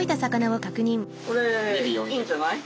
これいいんじゃない。